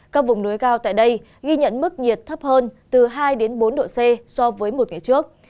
các vùng núi cao tại đây ghi nhận mức nhiệt thấp hơn từ hai đến bốn độ c so với một ngày trước